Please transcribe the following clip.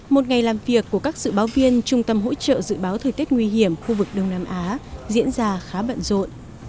một ngày làm việc của các dự báo viên trung tâm hỗ trợ dự báo thời tiết nguy hiểm khu vực đông nam á diễn ra khá bận rộn